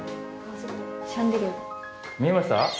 見えました？